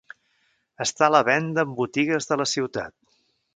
Està a la venda en botigues de la ciutat.